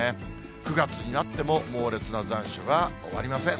９月になっても、猛烈な残暑が終わりません。